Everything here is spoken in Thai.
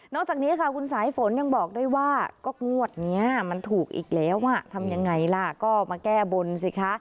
จากนี้ค่ะคุณสายฝนยังบอกด้วยว่าก็งวดนี้มันถูกอีกแล้วทำยังไงล่ะก็มาแก้บนสิคะ